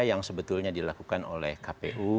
yang sebetulnya dilakukan oleh kpu